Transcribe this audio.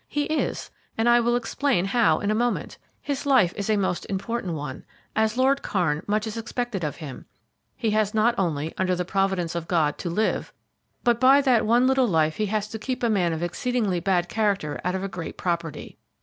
"He is, and I will explain how in a moment. His life is a most important one. As Lord Kairn much is expected of him. He has not only, under the providence of God, to live, but by that one little life he has to keep a man of exceedingly bad character out of a great property.